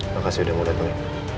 makasih udah ikut gue